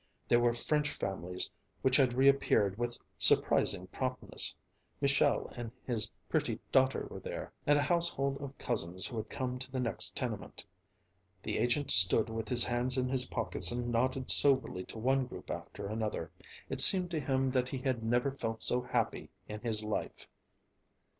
There were French families which had reappeared with surprising promptness, Michel and his pretty daughter were there, and a household of cousins who had come to the next tenement. The agent stood with his hands in his pockets and nodded soberly to one group after another. It seemed to him that he had never felt so happy in his life.